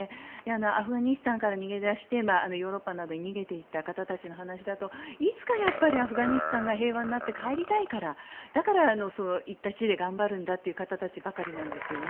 アフガニスタンから逃げ出してヨーロッパなどに逃げていった方たちの話だといつかアフガニスタンが平和になって帰りたいからだから、行った地で頑張るんだという方たちばかりなんです。